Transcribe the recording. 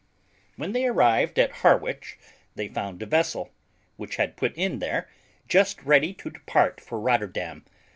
When they arrived at Harwich they found a vessel, which had put in there, just ready to depart for Rotterdam.